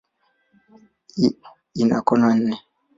Ina kona nne.